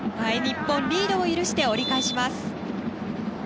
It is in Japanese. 日本、リードを許して折り返します。